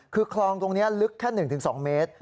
คือคลองตรงนี้ลึกแค่๑๒เมตร